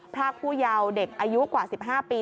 พรากผู้เยาว์เด็กอายุกว่า๑๕ปี